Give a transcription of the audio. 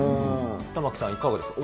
玉城さん、いかがですか？